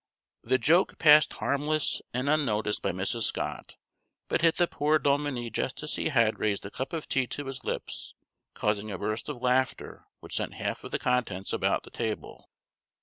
The joke passed harmless and unnoticed by Mrs. Scott, but hit the poor Dominie just as he had raised a cup of tea to his lips, causing a burst of laughter which sent half of the contents about the table.